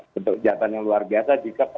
bentuk kejahatan yang luar biasa jika